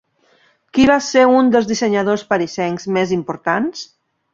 Qui va ser un dels dissenyadors parisencs més importants?